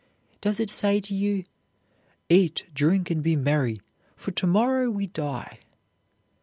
Does it say to you, "Eat, drink, and be merry, for to morrow we die"?